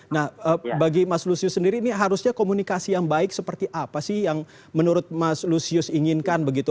nah bagi mas lusius sendiri ini harusnya komunikasi yang baik seperti apa sih yang menurut mas lusius inginkan begitu